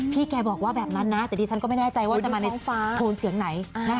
แกบอกว่าแบบนั้นนะแต่ดิฉันก็ไม่แน่ใจว่าจะมาในโทนเสียงไหน